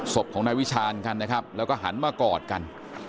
ศพของนายวิชาณกันนะครับแล้วก็หันมากอดกัน